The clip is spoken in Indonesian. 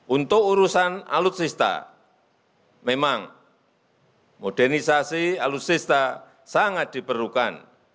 untuk urusan alutsista memang modernisasi alutsista sangat diperlukan